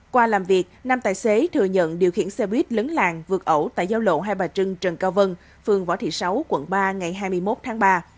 qua làm việc năm tài xế thừa nhận điều khiển xe buýt lấn làng vượt ẩu tại giao lộ hai bà trưng trần cao vân phường võ thị sáu quận ba ngày hai mươi một tháng ba